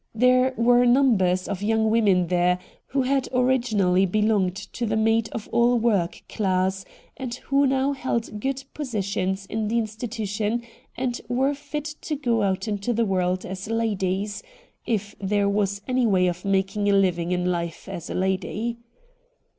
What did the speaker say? There were numbers of young women there who had originally belonged to the maid of ail work class and who now held good positions in the institution and were fit to go out into the world as ladies — if there was any way of making a living in life as a lady.